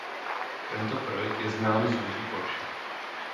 Tento prvek je znám z vozů Porsche.